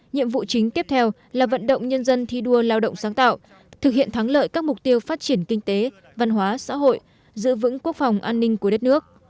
nhiệm vụ chính tiếp theo là vận động nhân dân thi đua lao động sáng tạo thực hiện thắng lợi các mục tiêu phát triển kinh tế văn hóa xã hội giữ vững quốc phòng an ninh của đất nước